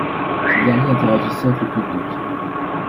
Ces derniers interagissaient avec le public.